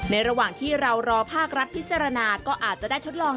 ระหว่างที่เรารอภาครัฐพิจารณาก็อาจจะได้ทดลอง